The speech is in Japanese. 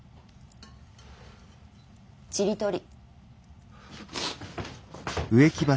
ちりとり。